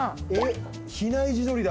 比内地鶏だ。